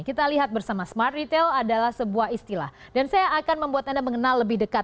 kita lihat bersama smart retail adalah sebuah istilah dan saya akan membuat anda mengenal lebih dekat